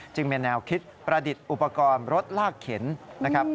จึงมีแนวคิดประดิษฐ์อุปกรณ์รถลากเข็นนะครับ